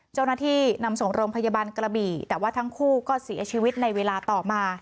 เจ้าหน้าที่นำส่งโรงพยาบาลกระบี่แต่ว่าทั้งคู่ก็เสียชีวิตในเวลาต่อมา